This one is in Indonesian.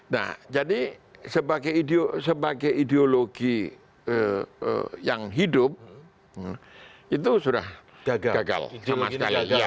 nah jadi sebagai ideologi yang hidup itu sudah gagal sama sekali